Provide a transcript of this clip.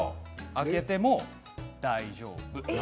開けても大丈夫。